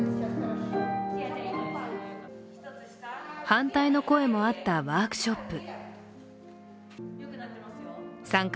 反対の声もあったワークショップ。